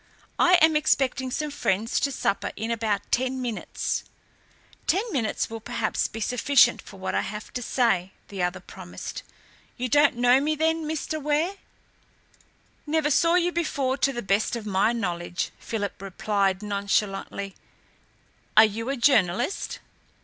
"I am expecting some friends to supper in about ten minutes." "Ten minutes will perhaps be sufficient for what I have to say," the other promised. "You don't know me, then, Mr. Ware?" "Never saw you before, to the best of my knowledge," Philip replied nonchalantly. "Are you a journalist?"